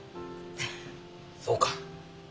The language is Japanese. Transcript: そうか。